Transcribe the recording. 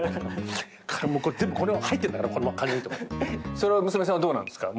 それは娘さんはどうなんですか